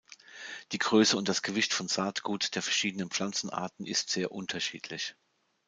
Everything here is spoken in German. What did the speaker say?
Die Größe und das Gewicht von Saatgut der verschiedenen Pflanzenarten ist sehr unterschiedlich.